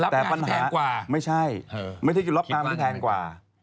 แต่รับงานที่แทงกว่าไม่ใช่ไม่ได้รับงานที่แทงกว่า